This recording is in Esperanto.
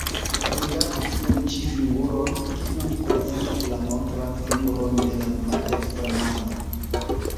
Rigardu tiun ĉi figuron, kiu prezentas la montran fingron de la maldekstra mano.